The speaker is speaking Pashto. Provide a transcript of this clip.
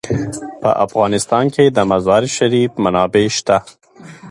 په افغانستان کې د مزارشریف منابع شته.